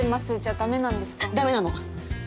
ダメなの。